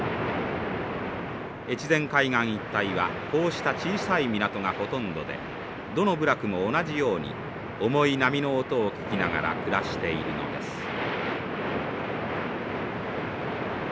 越前海岸一帯はこうした小さい港がほとんどでどの部落も同じように重い波の音を聞きながら暮らしているのです。